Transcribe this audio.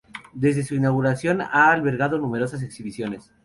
Desde su inauguración ha albergado numerosas exhibiciones.